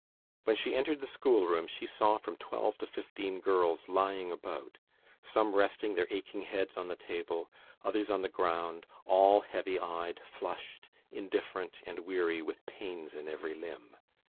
When she entered the schoolroom, she saw from twelve to fifteen girls lying about; some resting their aching heads on the table, others on the ground; all heavy eyed, flushed, indifferent, and weary, with pains in every limb.